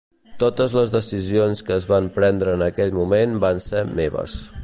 Totes les decisions que es van prendre en aquell moment van ser meves.